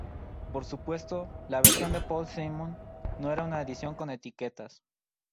Por supuesto, la versión de Paul Simon no era una edición con etiquetas.